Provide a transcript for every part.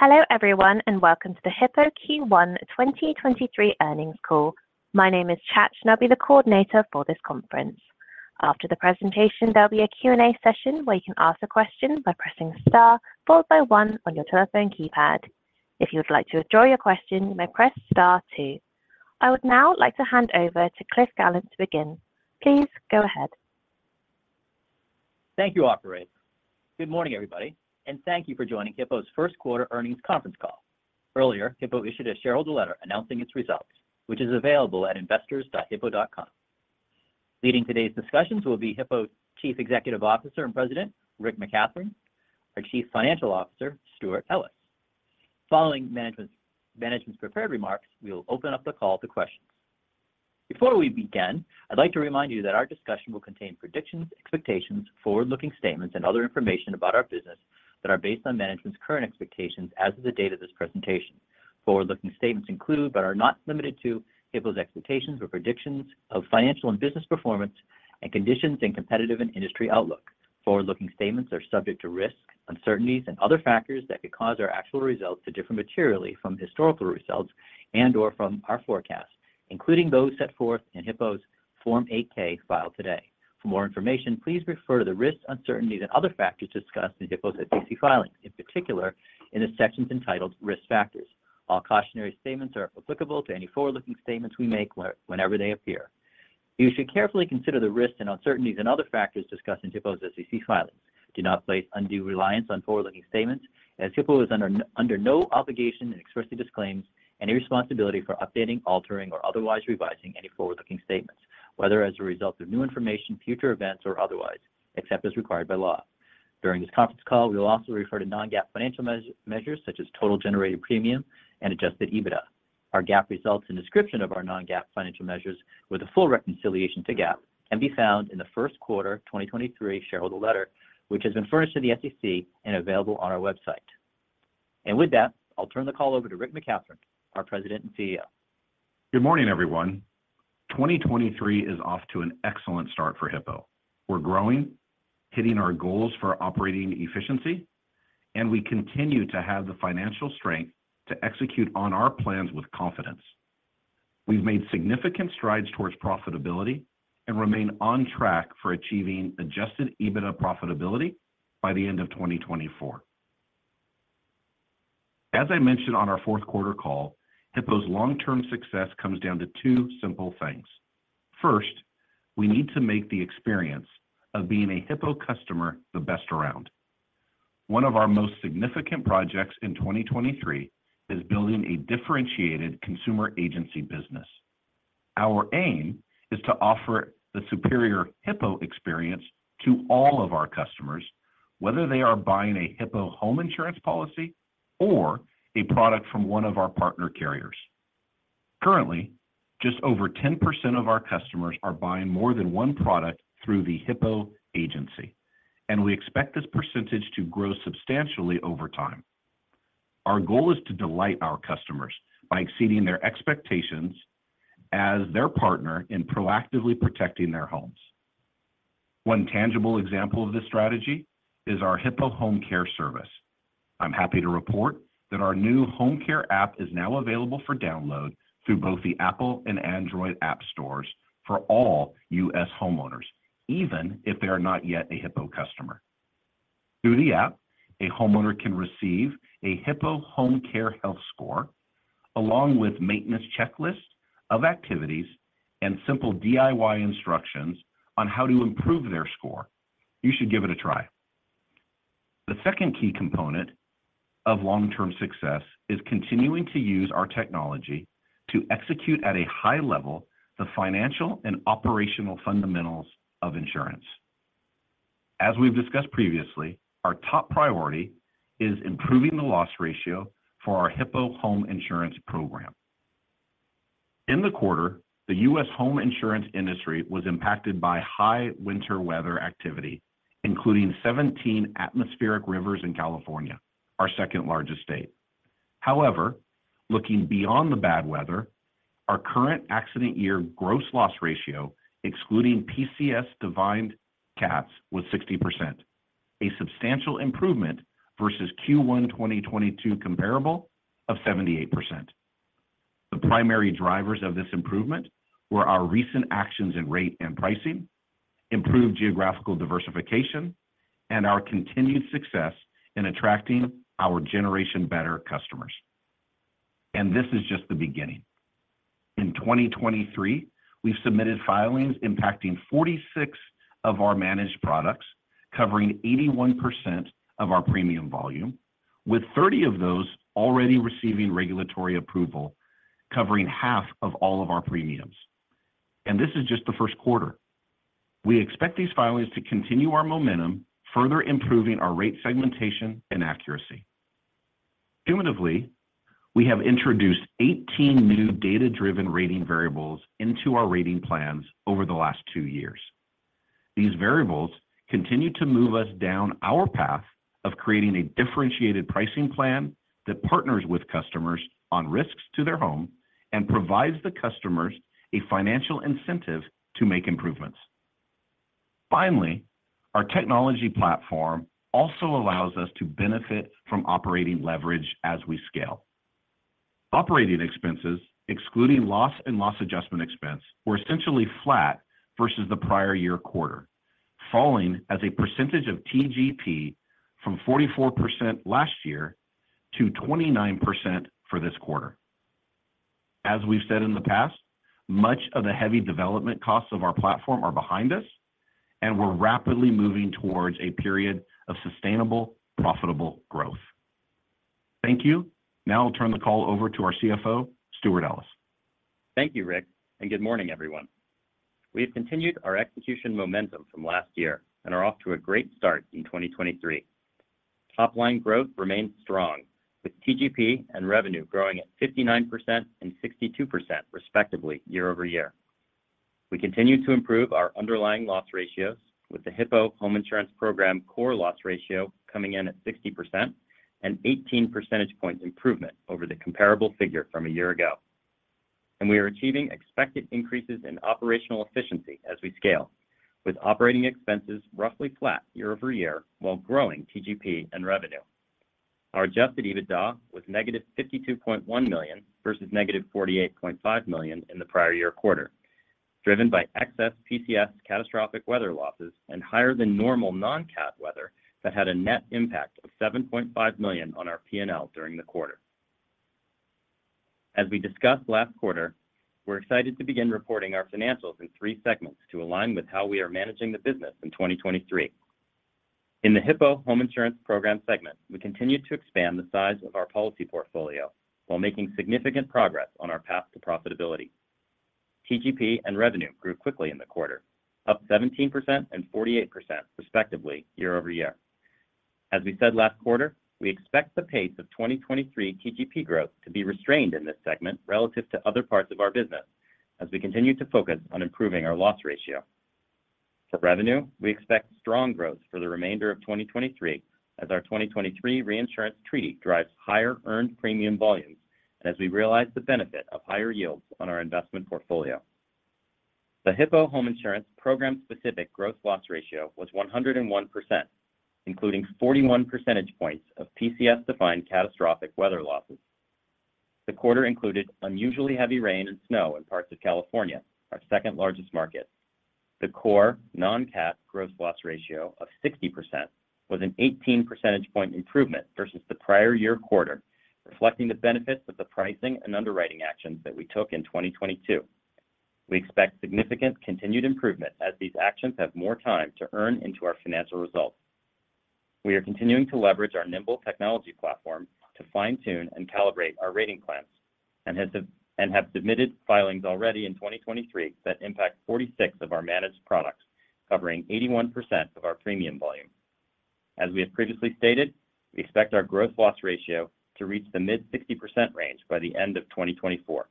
Hello everyone, welcome to the Hippo Q1 2023 earnings call. My name is Chach and I'll be the coordinator for this conference. After the presentation, there'll be a Q&A session where you can ask a question by pressing Star followed by One on your telephone keypad. If you would like to withdraw your question, you may press Star two. I would now like to hand over to Cliff Gallant to begin. Please go ahead. Thank you, operator. Good morning, everybody. Thank you for joining Hippo's first quarter earnings conference call. Earlier, Hippo issued a shareholder letter announcing its results, which is available at investors.hippo.com. Leading today's discussions will be Hippo's Chief Executive Officer and President, Rick McCathron, our Chief Financial Officer, Stewart Ellis. Following management's prepared remarks, we will open up the call to questions. Before we begin, I'd like to remind you that our discussion will contain predictions, expectations, forward-looking statements and other information about our business that are based on management's current expectations as of the date of this presentation. Forward-looking statements include, but are not limited to, Hippo's expectations or predictions of financial and business performance and conditions in competitive and industry outlook. Forward-looking statements are subject to risks, uncertainties and other factors that could cause our actual results to differ materially from historical results and/or from our forecasts, including those set forth in Hippo's Form 8-K filed today. For more information, please refer to the risks, uncertainties and other factors discussed in Hippo's SEC filings, in particular in the sections entitled Risk Factors. All cautionary statements are applicable to any forward-looking statements we make whenever they appear. You should carefully consider the risks and uncertainties and other factors discussed in Hippo's SEC filings. Do not place undue reliance on forward-looking statements as Hippo is under no obligation and expressly disclaims any responsibility for updating, altering or otherwise revising any forward-looking statements, whether as a result of new information, future events or otherwise, except as required by law. During this conference call, we will also refer to Non-GAAP financial measures such as Total Generated Premium and Adjusted EBITDA. Our GAAP results and description of our Non-GAAP financial measures with a full reconciliation to GAAP can be found in the first quarter 2023 shareholder letter, which has been furnished to the SEC and available on our website. With that, I'll turn the call over to Rick McCathron, our President and CEO. Good morning, everyone. 2023 is off to an excellent start for Hippo. We're growing, hitting our goals for operating efficiency, and we continue to have the financial strength to execute on our plans with confidence. We've made significant strides towards profitability and remain on track for achieving Adjusted EBITDA profitability by the end of 2024. As I mentioned on our fourth quarter call, Hippo's long-term success comes down to two simple things. First, we need to make the experience of being a Hippo customer the best around. One of our most significant projects in 2023 is building a differentiated consumer agency business. Our aim is to offer the superior Hippo experience to all of our customers, whether they are buying a Hippo Home Insurance policy or a product from one of our partner carriers. Currently, just over 10% of our customers are buying more than one product through the Hippo Agency, and we expect this percentage to grow substantially over time. Our goal is to delight our customers by exceeding their expectations as their partner in proactively protecting their homes. One tangible example of this strategy is our Hippo Home Care service. I'm happy to report that our new Home Care app is now available for download through both the Apple and Android app stores for all U.S. homeowners, even if they are not yet a Hippo customer. Through the app, a homeowner can receive a Hippo Home Care health score along with maintenance checklists of activities and simple DIY instructions on how to improve their score. You should give it a try. The second key component of long-term success is continuing to use our technology to execute at a high level the financial and operational fundamentals of insurance. As we've discussed previously, our top priority is improving the loss ratio for our Hippo Home Insurance Program. In the quarter, the U.S. home insurance industry was impacted by high winter weather activity, including 17 atmospheric rivers in California, our second largest state. However, looking beyond the bad weather, our current accident year gross loss ratio, excluding PCS-defined cats, was 60%, a substantial improvement versus Q1 2022 comparable of 78%. The primary drivers of this improvement were our recent actions in rate and pricing, improved geographical diversification, and our continued success in attracting our generation better customers. This is just the beginning. In 2023, we've submitted filings impacting 46 of our managed products, covering 81% of our premium volume, with 30 of those already receiving regulatory approval covering half of all of our premiums. This is just the first quarter. We expect these filings to continue our momentum, further improving our rate segmentation and accuracy. Cumulatively, we have introduced 18 new data-driven rating variables into our rating plans over the last two years. These variables continue to move us down our path of creating a differentiated pricing plan that partners with customers on risks to their home and provides the customers a financial incentive to make improvements. Finally, our technology platform also allows us to benefit from operating leverage as we scale. Operating expenses, excluding loss and loss adjustment expense, were essentially flat versus the prior year quarter, falling as a percentage of TGP from 44% last year to 29% for this quarter. As we've said in the past, much of the heavy development costs of our platform are behind us, and we're rapidly moving towards a period of sustainable, profitable growth. Thank you. Now I'll turn the call over to our CFO, Stewart Ellis. Thank you, Rick, and good morning, everyone. We've continued our execution momentum from last year and are off to a great start in 2023. Top line growth remains strong with TGP and revenue growing at 59% and 62% respectively year-over-year. We continue to improve our underlying loss ratios with the Hippo Home Insurance Program core loss ratio coming in at 60% and 18 percentage points improvement over the comparable figure from a year ago. We are achieving expected increases in operational efficiency as we scale, with operating expenses roughly flat year-over-year while growing TGP and revenue. Our Adjusted EBITDA was negative $52.1 million versus negative $48.5 million in the prior year quarter, driven by excess PCS catastrophic weather losses and higher than normal non-cat weather that had a net impact of $7.5 million on our P&L during the quarter. As we discussed last quarter, we're excited to begin reporting our financials in three segments to align with how we are managing the business in 2023. In the Hippo Home Insurance Program segment, we continued to expand the size of our policy portfolio while making significant progress on our path to profitability. TGP and revenue grew quickly in the quarter, up 17% and 48% respectively year-over-year. As we said last quarter, we expect the pace of 2023 TGP growth to be restrained in this segment relative to other parts of our business as we continue to focus on improving our loss ratio. For revenue, we expect strong growth for the remainder of 2023 as our 2023 reinsurance treaty drives higher earned premium volumes and as we realize the benefit of higher yields on our investment portfolio. The Hippo Home Insurance Program specific gross loss ratio was 101%, including 41 percentage points of PCS-defined catastrophic weather losses. The quarter included unusually heavy rain and snow in parts of California, our second-largest market. The core non-cat gross loss ratio of 60% was an 18 percentage point improvement versus the prior year quarter, reflecting the benefits of the pricing and underwriting actions that we took in 2022. We expect significant continued improvement as these actions have more time to earn into our financial results. We are continuing to leverage our nimble technology platform to fine-tune and calibrate our rating plans and have submitted filings already in 2023 that impact 46 of our managed products, covering 81% of our premium volume. As we have previously stated, we expect our growth loss ratio to reach the mid 60% range by the end of 2024.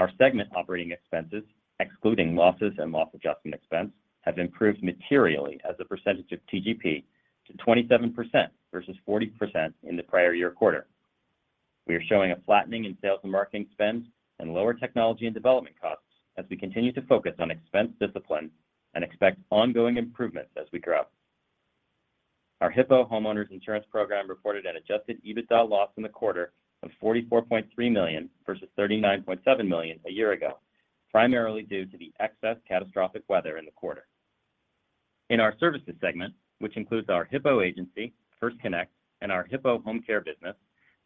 Our segment operating expenses, excluding losses and loss adjustment expense, have improved materially as a percentage of TGP to 27% versus 40% in the prior year quarter. We are showing a flattening in sales and marketing spend and lower technology and development costs as we continue to focus on expense discipline and expect ongoing improvements as we grow. Our Hippo Homeowners Insurance Program reported an Adjusted EBITDA loss in the quarter of $44.3 million versus $39.7 million a year ago, primarily due to the excess catastrophic weather in the quarter. In our services segment, which includes our Hippo Agency, First Connect, and our Hippo Home Care business,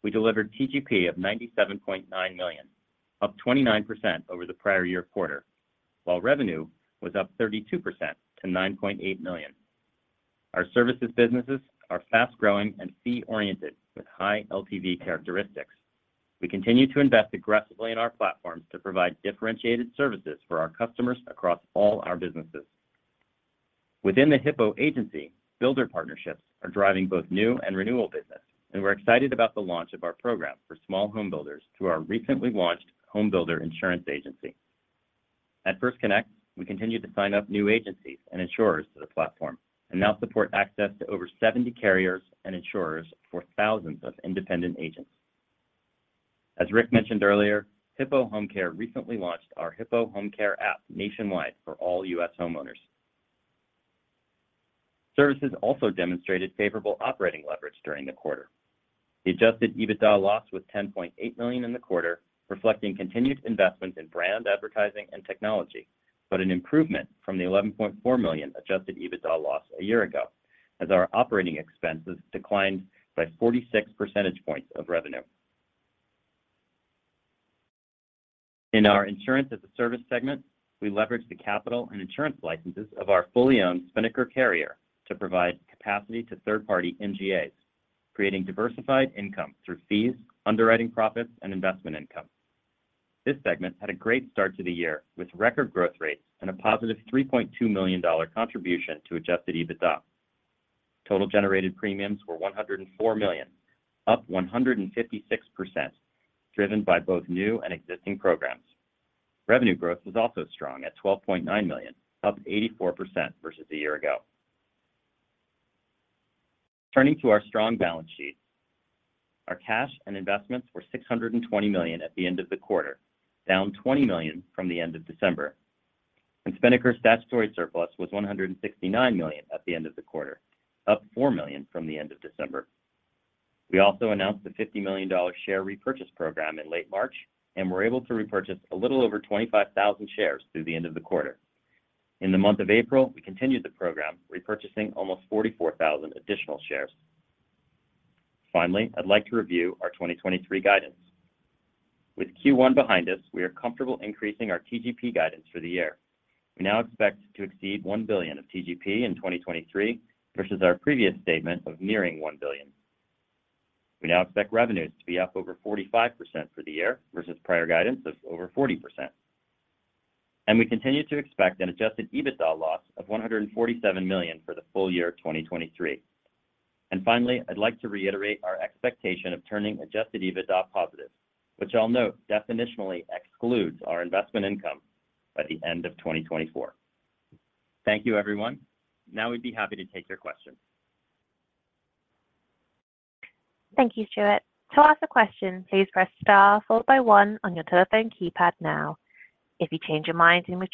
we delivered TGP of $97.9 million, up 29% over the prior year quarter, while revenue was up 32% to $9.8 million. Our services businesses are fast-growing and fee-oriented with high LTV characteristics. We continue to invest aggressively in our platforms to provide differentiated services for our customers across all our businesses. Within the Hippo Agency, builder partnerships are driving both new and renewal business, and we're excited about the launch of our program for small home builders through our recently launched Home Builder Insurance Agency. At First Connect, we continue to sign up new agencies and insurers to the platform and now support access to over 70 carriers and insurers for thousands of independent agents. As Rick mentioned earlier, Hippo Home Care recently launched our Hippo Home Care app nationwide for all U.S. homeowners. Services also demonstrated favorable operating leverage during the quarter. The Adjusted EBITDA loss was $10.8 million in the quarter, reflecting continued investment in brand advertising and technology, but an improvement from the $11.4 million Adjusted EBITDA loss a year ago as our operating expenses declined by 46 percentage points of revenue. In our Insurance-as-a-Service segment, we leveraged the capital and insurance licenses of our fully owned Spinnaker carrier to provide capacity to third-party MGAs, creating diversified income through fees, underwriting profits, and investment income. This segment had a great start to the year with record growth rates and a positive $3.2 million contribution to Adjusted EBITDA. Total Generated premiums were $104 million, up 156%, driven by both new and existing programs. Revenue growth was also strong at $12.9 million, up 84% versus a year ago. Turning to our strong balance sheet. Our cash and investments were $620 million at the end of the quarter, down $20 million from the end of December. Spinnaker's statutory surplus was $169 million at the end of the quarter, up $4 million from the end of December. We also announced the $50 million share repurchase program in late March, and we're able to repurchase a little over 25,000 shares through the end of the quarter. In the month of April, we continued the program, repurchasing almost 44,000 additional shares. Finally, I'd like to review our 2023 guidance. With Q1 behind us, we are comfortable increasing our TGP guidance for the year. We now expect to exceed $1 billion of TGP in 2023 versus our previous statement of nearing $1 billion. We now expect revenues to be up over 45% for the year versus prior guidance of over 40%. We continue to expect an Adjusted EBITDA loss of $147 million for the full year of 2023. Finally, I'd like to reiterate our expectation of turning Adjusted EBITDA positive, which I'll note definitionally excludes our investment income by the end of 2024. Thank you, everyone. Now we'd be happy to take your questions. Thank you, Stewart. To ask a question, please press star followed by one on your telephone keypad now. If you change your mind and wish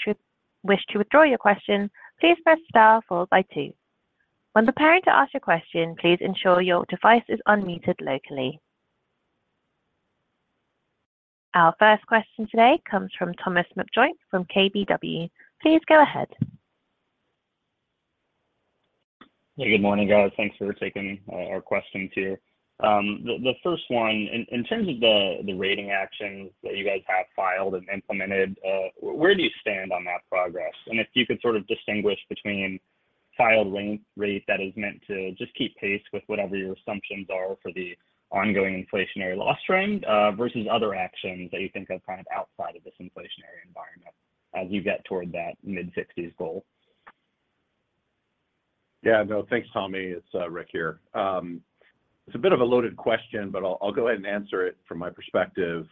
to withdraw your question, please press star followed by two. When preparing to ask your question, please ensure your device is unmuted locally. Our first question today comes from Thomas McJoynt-Griffith from KBW. Please go ahead. Yeah. Good morning, guys. Thanks for taking our question too. The first one, in terms of the rating actions that you guys have filed and implemented, where do you stand on that progress? If you could sort of distinguish between filed rate that is meant to just keep pace with whatever your assumptions are for the ongoing inflationary loss trend, versus other actions that you think of kind of outside of this inflationary environment as you get toward that mid-60s goal. Yeah. No. Thanks, Tommy. It's Rick here. It's a bit of a loaded question, but I'll go ahead and answer it from my perspective.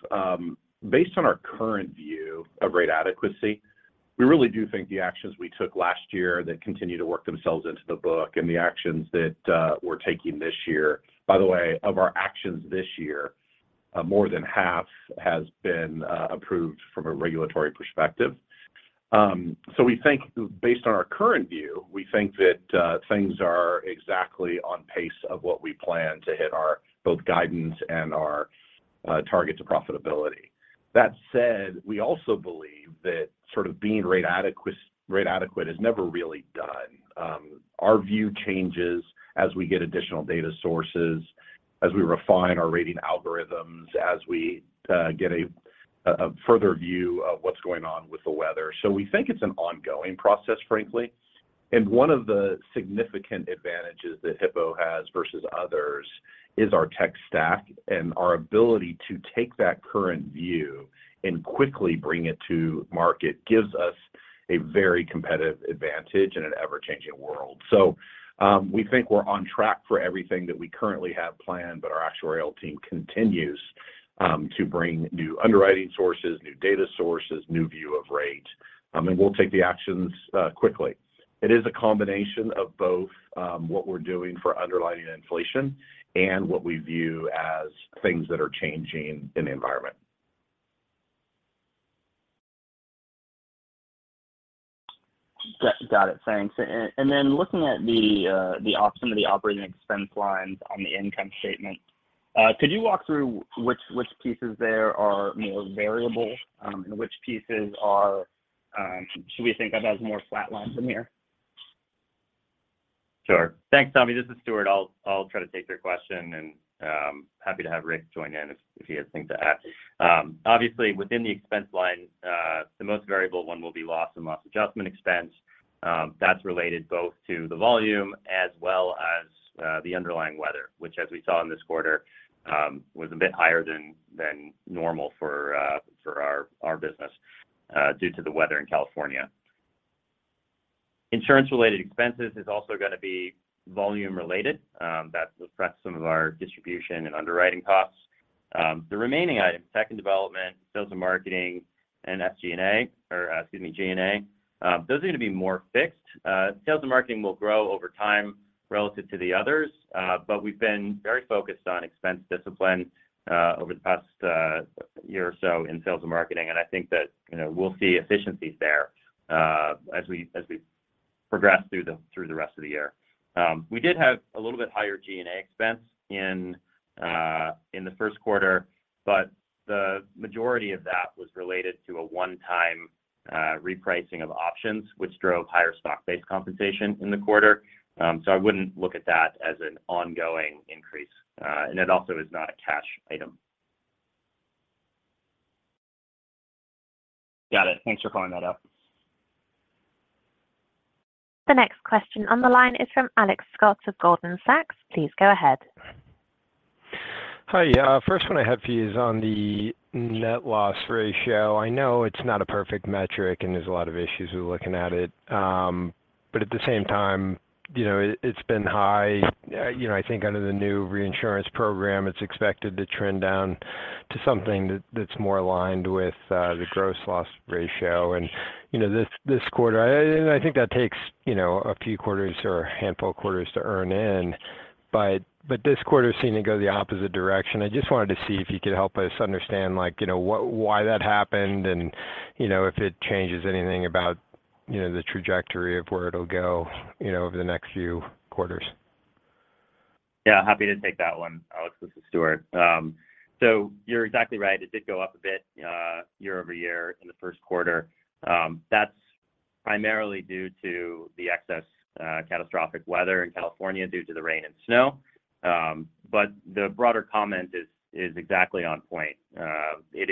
Based on our current view of rate adequacy, we really do think the actions we took last year that continue to work themselves into the book and the actions that we're taking this year. By the way, of our actions this year, more than half has been approved from a regulatory perspective. We think based on our current view, we think that things are exactly on pace of what we plan to hit our both guidance and our targets of profitability. That said, we also believe that sort of being rate adequate is never really done. Our view changes as we get additional data sources, as we refine our rating algorithms, as we get a further view of what's going on with the weather. We think it's an ongoing process, frankly. One of the significant advantages that Hippo has versus others is our tech stack and our ability to take that current view and quickly bring it to market gives us a very competitive advantage in an ever-changing world. We think we're on track for everything that we currently have planned, but our actuarial team continues to bring new underwriting sources, new data sources, new view of rate, and we'll take the actions quickly. It is a combination of both what we're doing for underlying inflation and what we view as things that are changing in the environment. Got it. Thanks. Looking at some of the operating expense lines on the income statement, could you walk through which pieces there are more variable, and which pieces are, should we think of as more flatlines from here? Sure. Thanks, Tommy. This is Stewart. I'll try to take your question and happy to have Rick join in if he has things to add. Obviously within the expense line, the most variable one will be loss and loss adjustment expense. That's related both to the volume as well as the underlying weather, which as we saw in this quarter, was a bit higher than normal for our business due to the weather in California. Insurance related expenses is also gonna be volume related. That reflects some of our distribution and underwriting costs. The remaining items, tech and development, sales and marketing, and SG&A or, excuse me, G&A, those are going to be more fixed. Sales and marketing will grow over time relative to the others. We've been very focused on expense discipline over the past year or so in sales and marketing. I think that, you know, we'll see efficiencies there as we progress through the rest of the year. We did have a little bit higher G&A expense in the first quarter, but the majority of that was related to a one-time repricing of options, which drove higher stock-based compensation in the quarter. I wouldn't look at that as an ongoing increase. It also is not a cash item. Got it. Thanks for following that up. The next question on the line is from Alex Scott of Goldman Sachs. Please go ahead. Hi. First one I have for you is on the net loss ratio. I know it's not a perfect metric and there's a lot of issues with looking at it. But at the same time, you know, it's been high. You know, I think under the new reinsurance program, it's expected to trend down to something that's more aligned with the gross loss ratio. You know, this quarter. I think that takes, you know, a few quarters or a handful of quarters to earn in, but this quarter's seen it go the opposite direction. I just wanted to see if you could help us understand, like, you know, what why that happened and, you know, if it changes anything about, you know, the trajectory of where it'll go, you know, over the next few quarters. Yeah, happy to take that one, Alex. This is Stuart. You're exactly right. It did go up a bit year-over-year in the first quarter. That's primarily due to the excess catastrophic weather in California due to the rain and snow. The broader comment is exactly on point. It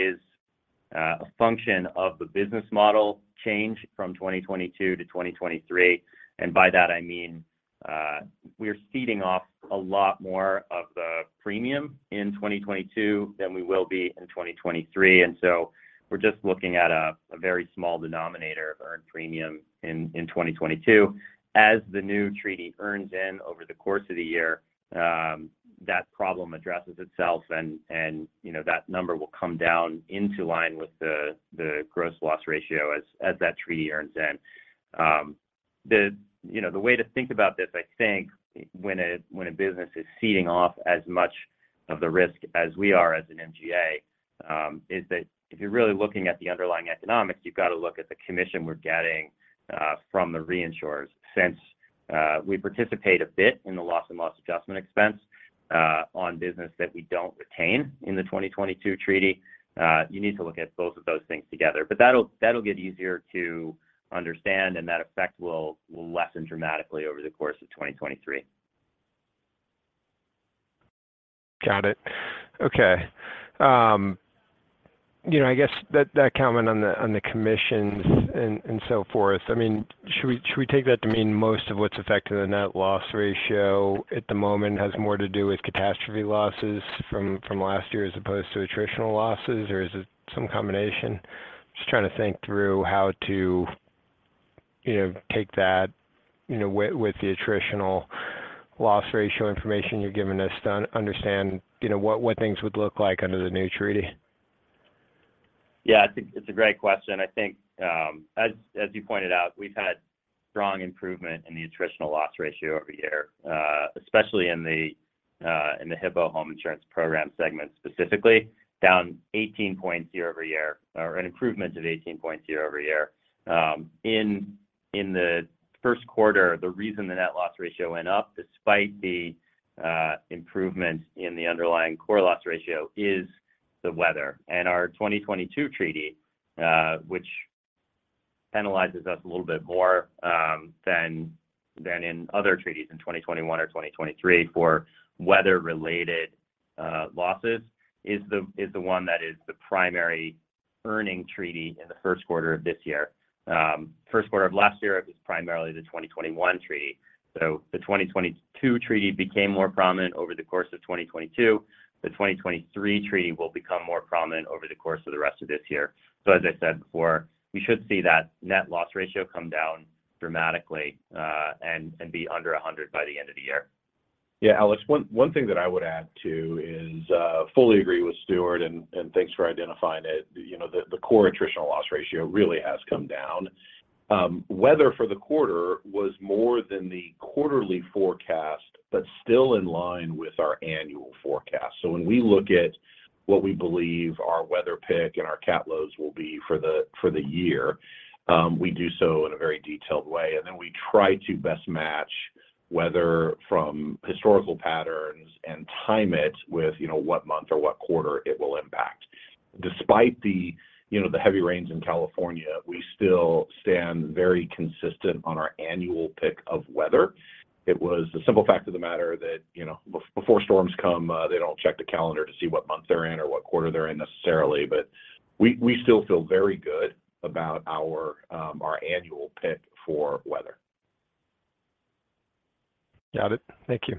is a function of the business model change from 2022-2023, by that I mean, we're ceding off a lot more of the premium in 2022 than we will be in 2023. We're just looking at a very small denominator of earned premium in 2022. As the new treaty earns in over the course of the year, that problem addresses itself and, you know, that number will come down into line with the gross loss ratio as that treaty earns in. The, you know, the way to think about this, I think, when a business is ceding off as much of the risk as we are as an MGA, is that if you're really looking at the underlying economics, you've got to look at the commission we're getting from the reinsurers. Since we participate a bit in the loss and loss adjustment expense on business that we don't retain in the 2022 treaty, you need to look at both of those things together. that'll get easier to understand, and that effect will lessen dramatically over the course of 2023. Got it. Okay. You know, I guess that comment on the, on the commissions and so forth, I mean, should we take that to mean most of what's affected the net loss ratio at the moment has more to do with catastrophe losses from last year as opposed to attritional losses? Or is it some combination? Just trying to think through how to, you know, take that, you know, with the attritional loss ratio information you're giving us to understand, you know, what things would look like under the new treaty. Yeah, I think it's a great question. I think, as you pointed out, we've had strong improvement in the attritional loss ratio year-over-year, especially in the Hippo Home Insurance Program segment, specifically down 18 points year-over-year, or an improvement of 18 points year-over-year. In the first quarter, the reason the net loss ratio went up despite the improvements in the underlying core loss ratio is the weather. Our 2022 treaty, which penalizes us a little bit more, than in other treaties in 2021 or 2023 for weather-related losses, is the one that is the primary earning treaty in the first quarter of this year. First quarter of last year, it was primarily the 2021 treaty. The 2022 treaty became more prominent over the course of 2022. The 2023 treaty will become more prominent over the course of the rest of this year. As I said before, we should see that net loss ratio come down dramatically, and be under 100 by the end of the year. Yeah. Alex, one thing that I would add, too, is fully agree with Stewart and thanks for identifying it. You know, the core attritional loss ratio really has come down. Weather for the quarter was more than the quarterly forecast, still in line with our annual forecast. When we look at what we believe our weather pick and our cat loads will be for the year, we do so in a very detailed way, then we try to best match weather from historical patterns and time it with, you know, what month or what quarter it will impact. Despite the, you know, the heavy rains in California, we still stand very consistent on our annual pick of weather. It was the simple fact of the matter that, you know, before storms come, they don't check the calendar to see what month they're in or what quarter they're in necessarily. We still feel very good about our annual pick for weather. Got it. Thank you.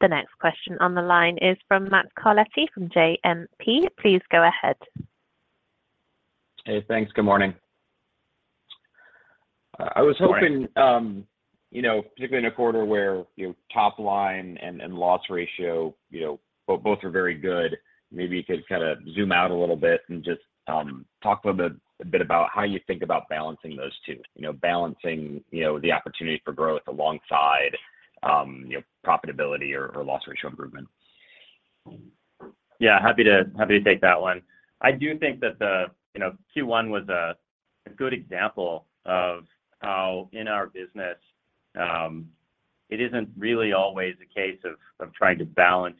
The next question on the line is from Matt Carletti from JMP. Please go ahead. Hey, thanks. Good morning. Good morning. I was hoping, you know, particularly in a quarter where, you know, top line and loss ratio, you know, both are very good, maybe you could kind of zoom out a little bit and just talk a little bit about how you think about balancing those two. You know, balancing, you know, the opportunity for growth alongside, you know, profitability or loss ratio improvement. Yeah, happy to take that one. I do think that the, you know, Q1 was a good example of how in our business, it isn't really always a case of trying to balance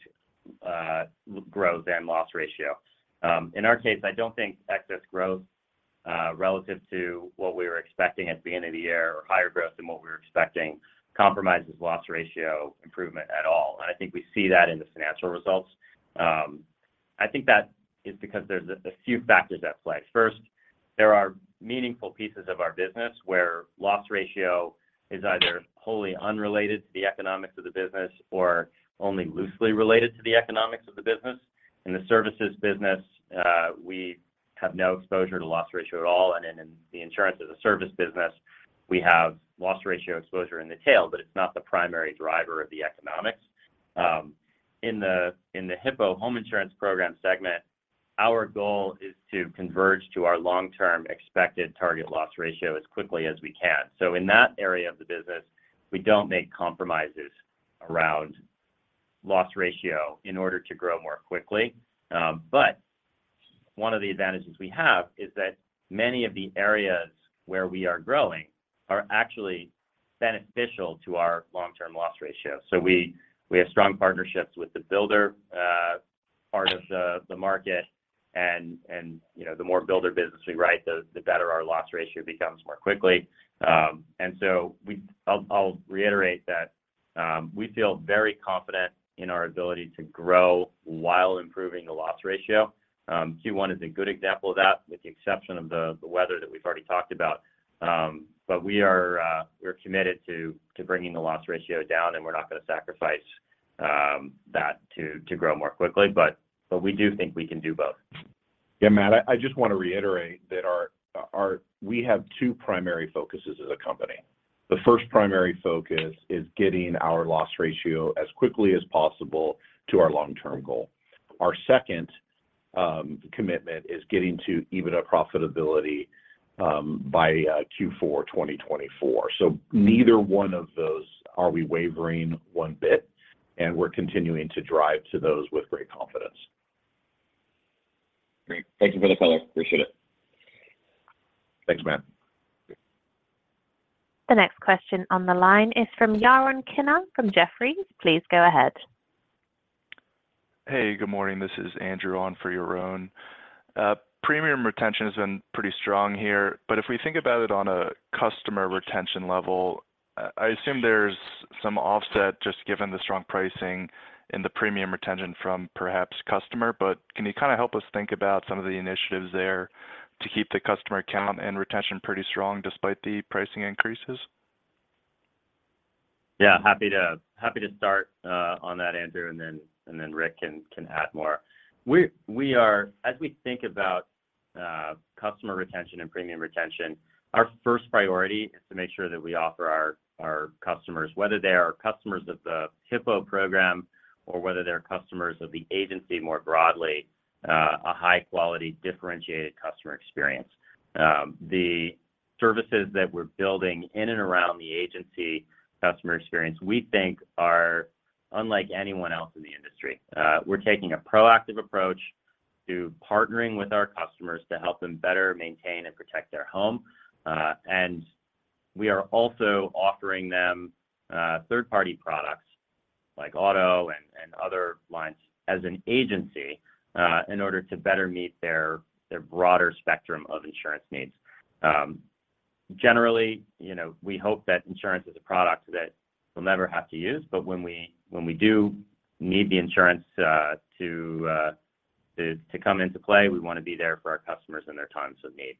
growth and loss ratio. In our case, I don't think excess growth relative to what we were expecting at the end of the year or higher growth than what we were expecting compromises loss ratio improvement at all. I think we see that in the financial results. I think that is because there's a few factors at play. First, there are meaningful pieces of our business where loss ratio is either wholly unrelated to the economics of the business or only loosely related to the economics of the business. In the services business, we have no exposure to loss ratio at all. In the Insurance-as-a-Service business. We have loss ratio exposure in the tail, but it's not the primary driver of the economics. In the Hippo Home Insurance Program segment, our goal is to converge to our long-term expected target loss ratio as quickly as we can. In that area of the business, we don't make compromises around loss ratio in order to grow more quickly. One of the advantages we have is that many of the areas where we are growing are actually beneficial to our long-term loss ratio. We have strong partnerships with the builder part of the market. You know, the more builder business we write, the better our loss ratio becomes more quickly. I'll reiterate that, we feel very confident in our ability to grow while improving the loss ratio. Q1 is a good example of that, with the exception of the weather that we've already talked about. We are, we're committed to bringing the loss ratio down, and we're not going to sacrifice that to grow more quickly. We do think we can do both. Yeah, Matt, I just want to reiterate that our two primary focuses as a company. The first primary focus is getting our loss ratio as quickly as possible to our long-term goal. Our second commitment is getting to EBITDA profitability by Q4 2024. Neither one of those are we wavering one bit, and we're continuing to drive to those with great confidence. Great. Thank you for the color. Appreciate it. Thanks, Matt. The next question on the line is from Yaron Kinar from Jefferies. Please go ahead. Good morning. This is Andrew on for Yaron. Premium retention has been pretty strong here, but if we think about it on a customer retention level, I assume there's some offset just given the strong pricing in the premium retention from perhaps customer. Can you kind of help us think about some of the initiatives there to keep the customer count and retention pretty strong despite the pricing increases? Yeah, happy to start on that, Andrew, and then Rick can add more. As we think about customer retention and premium retention, our first priority is to make sure that we offer our customers, whether they are customers of the Hippo Program or whether they're customers of the Agency more broadly, a high-quality, differentiated customer experience. The services that we're building in and around the Agency customer experience, we think are unlike anyone else in the industry. We're taking a proactive approach to partnering with our customers to help them better maintain and protect their home. We are also offering them third-party products like auto and other lines as an Agency in order to better meet their broader spectrum of insurance needs. Generally, you know, we hope that insurance is a product that we'll never have to use, but when we do need the insurance to come into play, we want to be there for our customers in their times of need.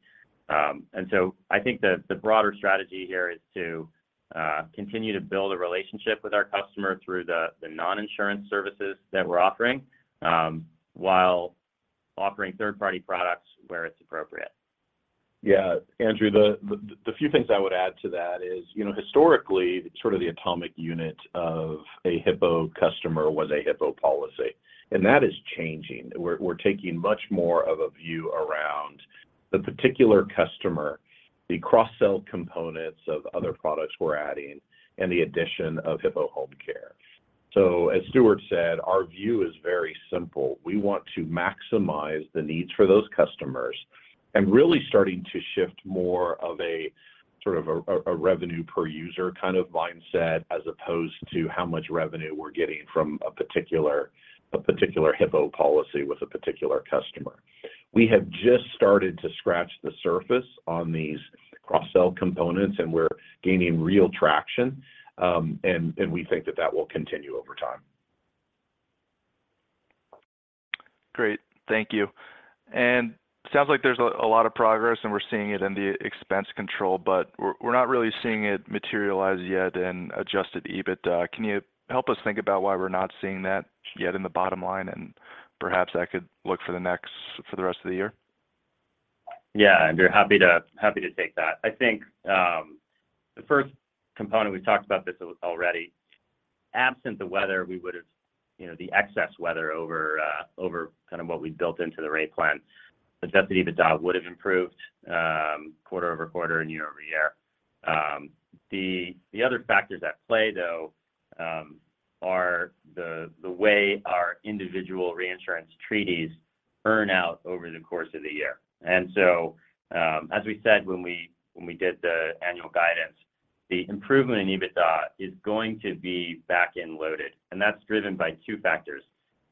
I think the broader strategy here is to continue to build a relationship with our customer through the non-insurance services that we're offering, while offering third-party products where it's appropriate. Yeah. Andrew, the few things I would add to that is, you know, historically, sort of the atomic unit of a Hippo customer was a Hippo policy, and that is changing. We're taking much more of a view around the particular customer, the cross-sell components of other products we're adding, and the addition of Hippo Home Care. As Stewart said, our view is very simple. We want to maximize the needs for those customers. Really starting to shift more of a, sort of a revenue per user kind of mindset as opposed to how much revenue we're getting from a particular Hippo policy with a particular customer. We have just started to scratch the surface on these cross-sell components, and we're gaining real traction, and we think that that will continue over time. Great. Thank you. Sounds like there's a lot of progress, and we're seeing it in the expense control, but we're not really seeing it materialize yet in Adjusted EBITDA. Can you help us think about why we're not seeing that yet in the bottom line? Perhaps that could look for the rest of the year. Yeah. Andrew, happy to take that. I think, the first component, we've talked about this already. Absent the weather, we would've, you know, the excess weather over kind of what we'd built into the rate plan, adjusted EBITDA would've improved, quarter-over-quarter and year-over-year. The other factors at play, though, are the way our individual reinsurance treaties earn out over the course of the year. As we said when we did the annual guidance, the improvement in EBITDA is going to be back-end loaded, and that's driven by two factors.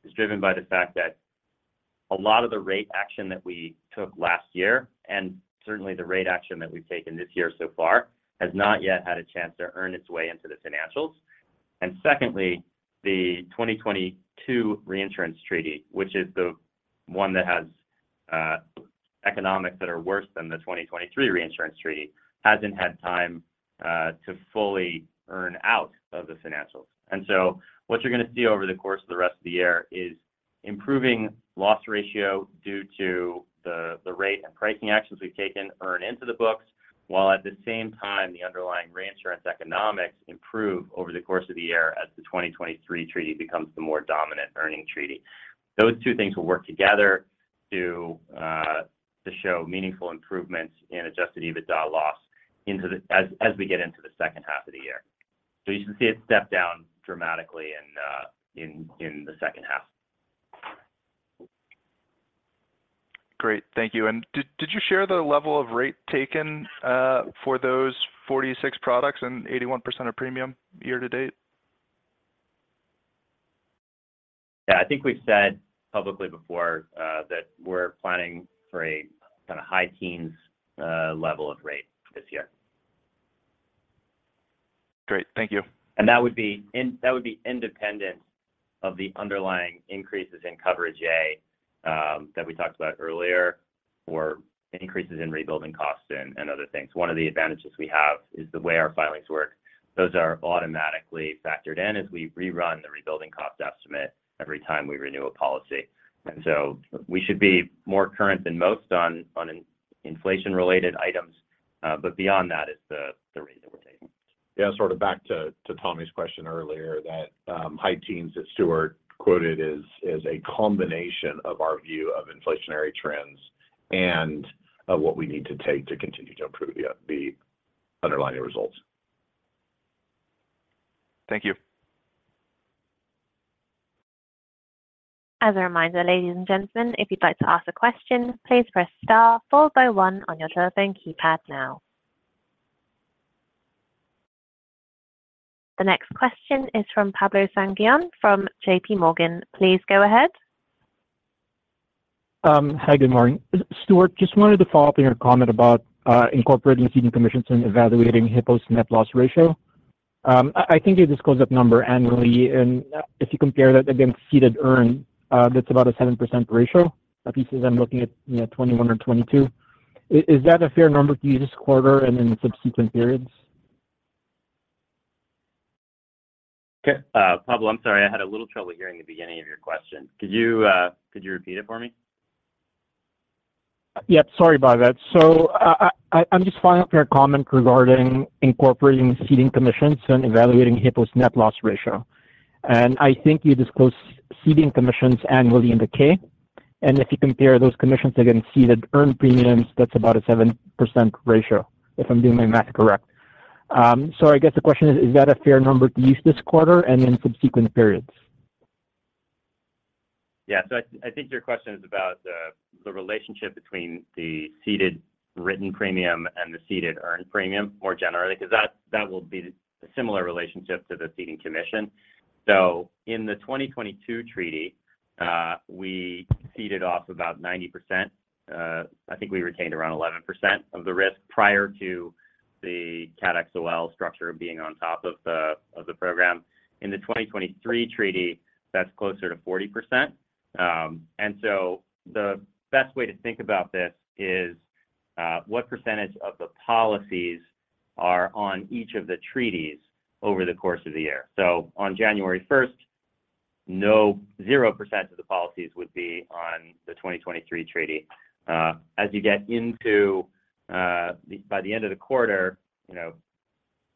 It's driven by the fact that a lot of the rate action that we took last year, and certainly the rate action that we've taken this year so far, has not yet had a chance to earn its way into the financials. Secondly, the 2022 reinsurance treaty, which is the one that has economics that are worse than the 2023 reinsurance treaty, hasn't had time to fully earn out of the financials. What you're gonna see over the course of the rest of the year is improving loss ratio due to the rate and pricing actions we've taken earn into the books, while at the same time the underlying reinsurance economics improve over the course of the year as the 2023 treaty becomes the more dominant earning treaty. Those two things will work together to show meaningful improvements in Adjusted EBITDA loss as we get into the second half of the year. You should see it step down dramatically in the second half. Great. Thank you. Did you share the level of rate taken for those 46 products and 81% of premium year to date? Yeah. I think we've said publicly before that we're planning for a kinda high teens level of rate this year. Great. Thank you. That would be independent of the underlying increases in Coverage A that we talked about earlier or increases in rebuilding costs and other things. One of the advantages we have is the way our filings work. Those are automatically factored in as we rerun the rebuilding cost estimate every time we renew a policy. So we should be more current than most on inflation-related items. Beyond that is the rate that we're taking. Sort of back to Tommy's question earlier that, high teens that Stewart quoted is a combination of our view of inflationary trends and of what we need to take to continue to improve the underlying results. Thank you. As a reminder, ladies and gentlemen, if you'd like to ask a question, please press star followed by one on your telephone keypad now. The next question is from Pablo Singzon from JPMorgan. Please go ahead. Hi, good morning. Stewart, just wanted to follow up on your comment about incorporating ceding commissions and evaluating Hippo's net loss ratio. I think you disclose that number annually. If you compare that against ceded earn, that's about a 7% ratio. At least as I'm looking at, you know, 2021 or 2022. Is that a fair number to use this quarter and in subsequent periods? Okay. Pablo, I'm sorry. I had a little trouble hearing the beginning of your question. Could you, could you repeat it for me? Yep, sorry about that. I'm just following up your comment regarding incorporating ceding commissions and evaluating Hippo's net loss ratio. I think you disclose ceding commissions annually in the K. If you compare those commissions against ceded earned premiums, that's about a 7% ratio, if I'm doing my math correct. I guess the question is that a fair number to use this quarter and in subsequent periods? I think your question is about the relationship between the ceded written premium and the ceded earned premium more generally, 'cause that will be a similar relationship to the ceding commission. In the 2022 treaty, we ceded off about 90%. I think we retained around 11% of the risk prior to the Cat XOL structure being on top of the program. In the 2023 treaty, that's closer to 40%. The best way to think about this is what percentage of the policies are on each of the treaties over the course of the year. On January 1st, 0% of the policies would be on the 2023 treaty. As you get into by the end of the quarter, you know,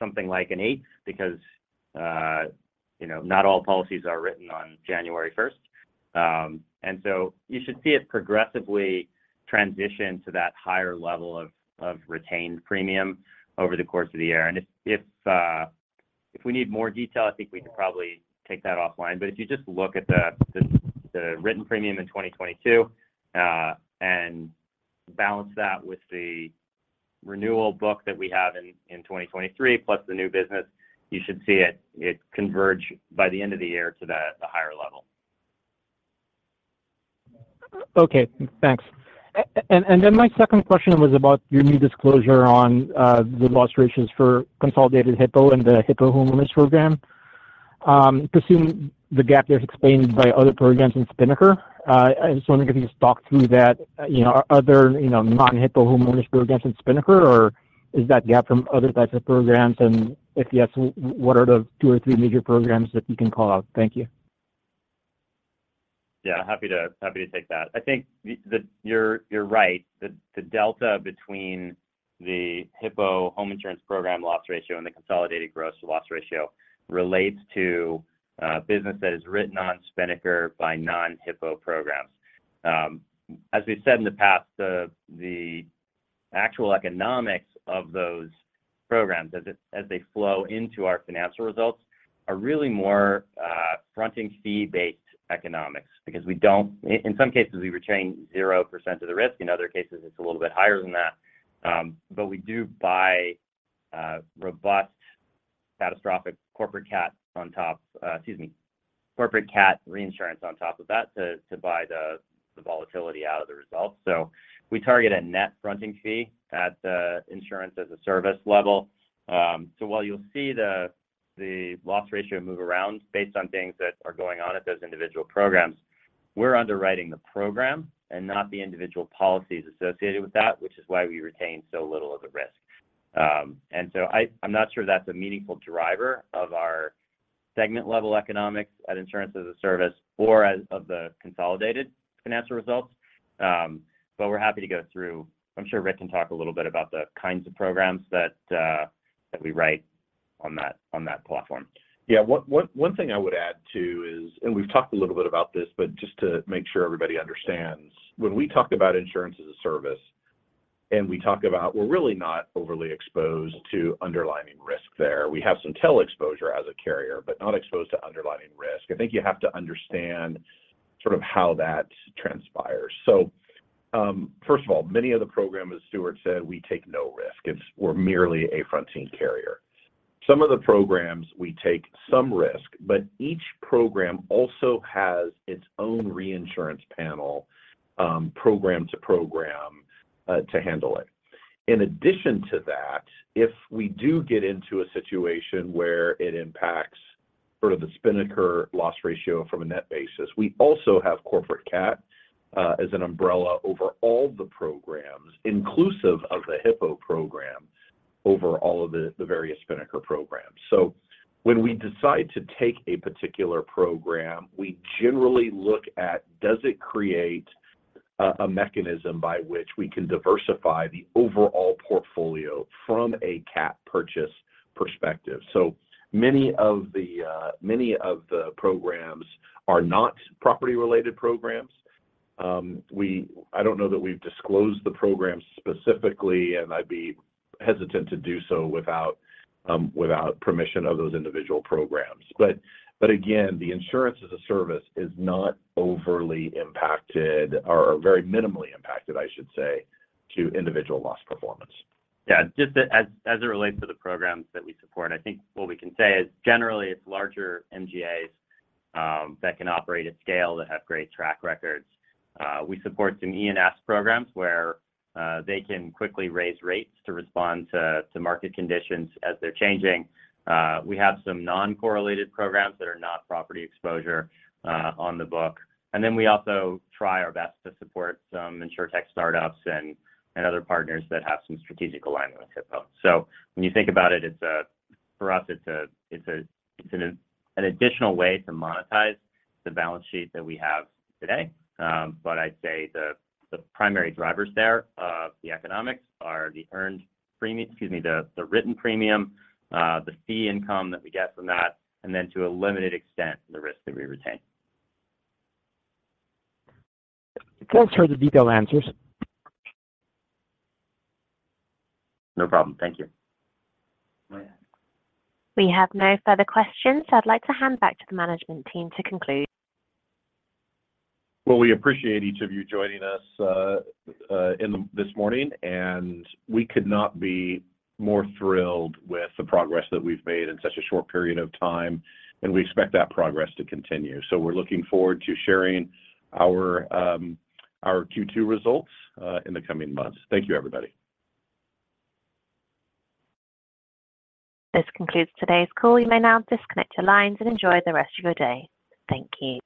something like an eighth because, you know, not all policies are written on January first. You should see it progressively transition to that higher level of retained premium over the course of the year. If, if we need more detail, I think we can probably take that offline. If you just look at the written premium in 2022, and balance that with the renewal book that we have in 2023 plus the new business, you should see it converge by the end of the year to the higher level. Okay, thanks. And then my second question was about your new disclosure on the loss ratios for consolidated Hippo and the Hippo Homeowners Program. Presume the gap there is explained by other programs in Spinnaker. I just wondering if you just talk through that. You know, are other, you know, non-Hippo Homeowners Programs in Spinnaker or is that gap from other types of programs? If yes, what are the two or three major programs that you can call out? Thank you. Happy to take that. I think you're right. The delta between the Hippo Home Insurance Program loss ratio and the consolidated gross to loss ratio relates to business that is written on Spinnaker by non-Hippo programs. As we've said in the past, the actual economics of those programs as they flow into our financial results are really more fronting fee-based economics because we don't... In some cases we retain 0% of the risk. In other cases it's a little bit higher than that. But we do buy robust catastrophic Corporate CAT reinsurance on top of that to buy the volatility out of the results. We target a net fronting fee at the Insurance-as-a-Service level. While you'll see the loss ratio move around based on things that are going on at those individual programs, we're underwriting the program and not the individual policies associated with that, which is why we retain so little of the risk. I'm not sure that's a meaningful driver of our segment level economics at Insurance-as-a-Service or as of the consolidated financial results. We're happy to go through... I'm sure Rick can talk a little bit about the kinds of programs that we write on that, on that platform. Yeah. One thing I would add too is, We've talked a little bit about this, but just to make sure everybody understands. When we talk about Insurance as a Service, We talk about we're really not overly exposed to underlying risk there. We have some tail exposure as a carrier, but not exposed to underlying risk. I think you have to understand sort of how that transpires. First of all, many of the programs, as Stuart said, we take no risk. It's we're merely a fronting carrier. Some of the programs we take some risk, but each program also has its own reinsurance panel, program to program to handle it. In addition to that, if we do get into a situation where it impacts sort of the Spinnaker loss ratio from a net basis, we also have Corporate CAT, as an umbrella over all the programs, inclusive of the Hippo program over all of the various Spinnaker programs. When we decide to take a particular program, we generally look at does it create a mechanism by which we can diversify the overall portfolio from a CAT purchase perspective. Many of the programs are not property related programs. I don't know that we've disclosed the programs specifically, and I'd be hesitant to do so without permission of those individual programs. Again, the Insurance-as-a-Service is not overly impacted or very minimally impacted, I should say, to individual loss performance. Yeah. Just as it relates to the programs that we support, I think what we can say is generally it's larger MGAs that can operate at scale that have great track records. We support some E&S programs where they can quickly raise rates to respond to market conditions as they're changing. We have some non-correlated programs that are not property exposure on the book. We also try our best to support some InsurTech startups and other partners that have some strategic alignment with Hippo. When you think about it's for us it's an additional way to monetize the balance sheet that we have today. I'd say the primary drivers there of the economics are the earned premium, excuse me, the written premium, the fee income that we get from that, and then to a limited extent, the risk that we retain. Thanks for the detailed answers. No problem. Thank you. Go ahead. We have no further questions. I'd like to hand back to the management team to conclude. Well, we appreciate each of you joining us, this morning, and we could not be more thrilled with the progress that we've made in such a short period of time, and we expect that progress to continue. We're looking forward to sharing our Q2 results in the coming months. Thank you, everybody. This concludes today's call. You may now disconnect your lines and enjoy the rest of your day. Thank you.